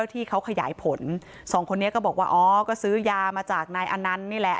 ที่เขาขยายผลสองคนนี้ก็บอกว่าอ๋อก็ซื้อยามาจากนายอนันต์นี่แหละ